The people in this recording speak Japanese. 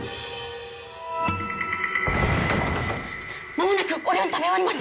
まもなくお料理食べ終わります。